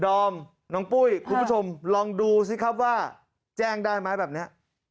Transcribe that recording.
ดอมน้องปุ้ยคุณผู้ชมลองดูสิครับว่าแจ้งได้ไหมแบบนี้